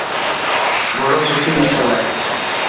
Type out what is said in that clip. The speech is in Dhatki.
گهوڙو سٺي نسل هي.